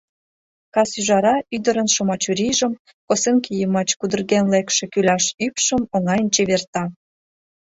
Кас ӱжара ӱдырын шыма чурийжым, косынке йымач кудырген лекше кӱляш ӱпшым оҥайын чеверта.